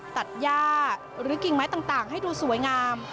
ตัดย่าหรือกิ่งไม้ต่างให้ดูสวยงาม